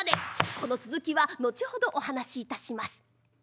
この続きは後ほどお話いたします。